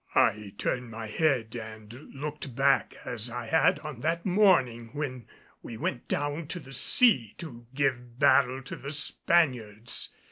I turned my head and looked back as I had on that morning when we went down to the sea to give battle to the Spaniards.